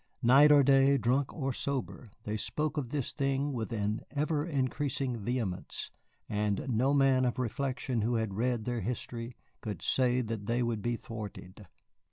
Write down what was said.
Night or day, drunk or sober, they spoke of this thing with an ever increasing vehemence, and no man of reflection who had read their history could say that they would be thwarted.